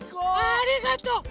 ありがとう！